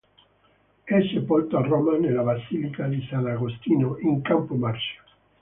È sepolto a Roma nella basilica di Sant'Agostino in Campo Marzio.